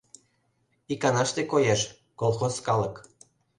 — Иканаште коеш, колхоз калык.